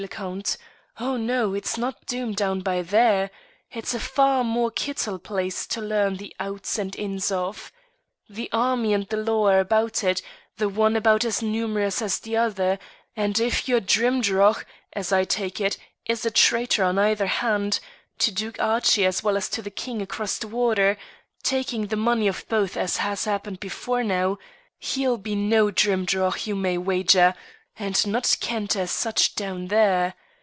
le Count oh no, it's not Doom down by there; it's a far more kittle place to learn the outs and ins of. The army and the law are about it, the one about as numerous as the other, and if your Drimdarroch, as I take it, is a traitor on either hand to Duke Archie as well as to the king across the water, taking the money of both as has happened before now, he'll be no Drimdarroch you may wager, and not kent as such down there.